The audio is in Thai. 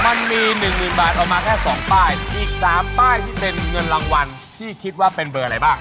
มันมีหนึ่งหมื่นบาทออกมาแค่สองป้ายอีก๓ป้ายที่เป็นเงินรางวัลที่คิดว่าเป็นเบอร์อะไรบ้าง